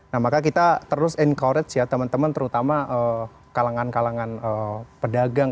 nah maka kita terus encourage ya teman teman terutama kalangan kalangan pedagang